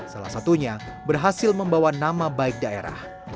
salah satunya berhasil membawa nama baik daerah